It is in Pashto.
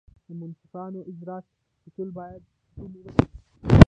د منصفانه اجراآتو اصول باید شتون ولري.